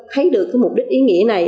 thấy được mục đích ý nghĩa này